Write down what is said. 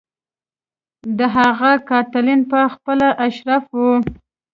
د هغه قاتلین په خپله اشراف وو.